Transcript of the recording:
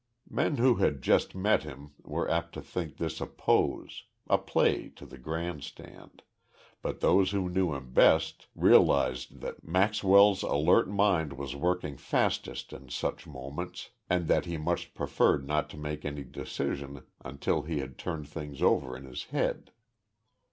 Men who had just met him were apt to think this a pose, a play to the grand stand but those who knew him best realized that Maxwell's alert mind was working fastest in such moments and that he much preferred not to make any decision until he had turned things over in his head.